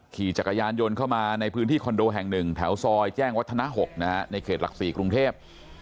ขี่จักรยานยนต์เข้ามาในพื้นที่คอนโดแห่ง๑แถวซอยแจ้งวัฒนะ๖ในเขตหลัก๔กรุงเทพ